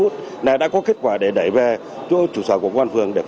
tất cả các địa bàn cấp xã phường